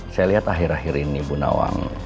saya lihat akhir akhir ini bu nawang